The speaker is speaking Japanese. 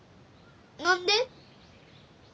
何で？